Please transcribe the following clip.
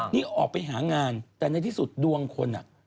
นี่ออกไปหางานแต่ในที่สุดดวงคนอ่ะ